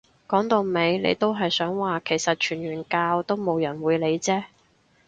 講到尾你都係想話其實傳完教都冇人會理啫